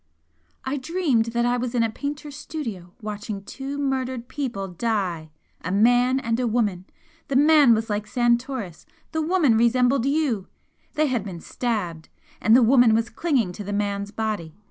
"I dreamed that I was in a painter's studio watching two murdered people die a man and a woman. The man was like Santoris the woman resembled you! They had been stabbed, and the woman was clinging to the man's body.